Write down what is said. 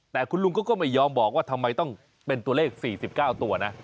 แต่คุณลุงเขาก็ไม่ยอมบอกว่าทำไมต้องเป็นตัวเลข๔๙ตัวนะ